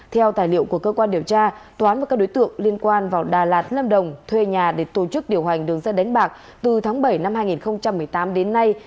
theo tài liệu của cơ quan điều tra toán và các đối tượng liên quan vào đà lạt lâm đồng thuê nhà để tổ chức điều hành đường dây đánh bạc từ tháng bảy năm hai nghìn một mươi tám đến nay